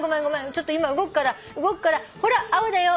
ちょっと今動くから動くからほら青だよ